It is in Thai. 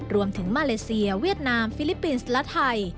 รวมถึงมาเลเซียเวียดนามฟิลิปปินส์และไทย